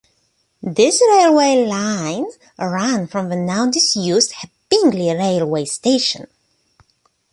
This railway line ran from the now disused Hepingli Railway Station.